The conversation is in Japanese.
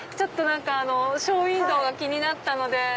ショーウインドーが気になって。